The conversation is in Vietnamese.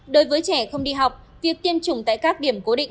đối với trẻ không đi học việc tiêm chủng tại các điểm cố định